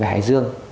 về hải dương